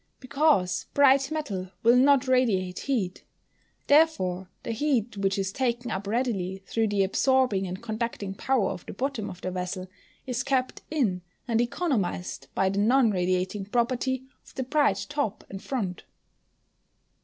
_ Because bright metal will not radiate heat; therefore, the heat which is taken up readily through the absorbing and conducting power of the bottom of the vessel, is kept in and economised by the non radiating property of the bright top and front.